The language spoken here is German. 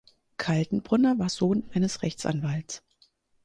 Kaltenbrunner war Sohn eines Rechtsanwalts.